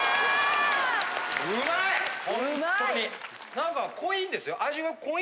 何か濃いんですよ。